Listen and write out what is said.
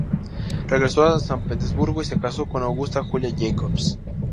Regresó a San Petersburgo y se casó con Augusta Julia Jacobs.